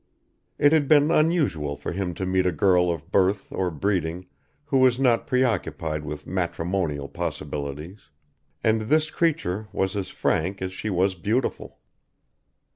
It had been unusual for him to meet a girl of birth or breeding who was not preoccupied with matrimonial possibilities; and this creature was as frank as she was beautiful.